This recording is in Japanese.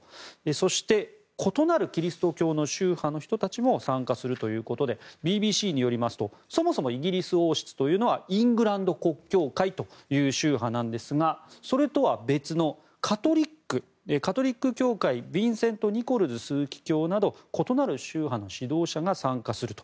そして異なるキリスト教の宗派の人たちも参加するということでＢＢＣによりますとそもそもイギリス王室というのはイングランド国教会という宗派なんですがそれとは別のカトリック教会ヴィンセント・ニコルズ枢機卿など異なる宗派の指導者が参加すると。